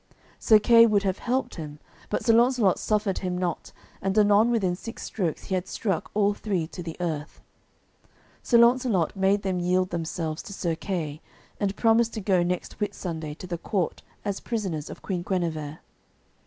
Sir Kay would have helped him, but Sir Launcelot suffered him not, and anon within six strokes he had struck all three to the earth. Sir Launcelot made them yield themselves to Sir Kay and promise to go next Whitsunday to the court as prisoners of Queen Guenever.